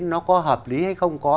nó có hợp lý hay không